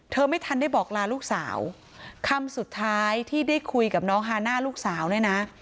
ไม่ทันได้บอกลาลูกสาวคำสุดท้ายที่ได้คุยกับน้องฮาน่าลูกสาวเนี่ยนะ